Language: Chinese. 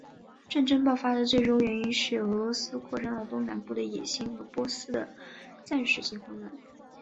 战争爆发的最终原因是俄罗斯扩张到东南部的野心和波斯的暂时性混乱。